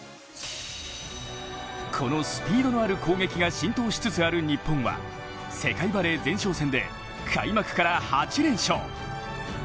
このスピードのある攻撃が浸透しつつある日本は、世界バレー前哨戦で開幕から８連勝。